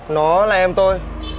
nó là em tôi